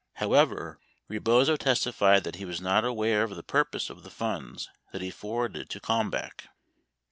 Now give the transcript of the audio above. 3 However, Rebozo testified that he was not aware of the purpose of the funds that he forwarded to Kalmbach.